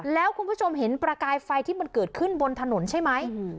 แล้วคุณผู้ชมเห็นประกายไฟที่มันเกิดขึ้นบนถนนใช่ไหม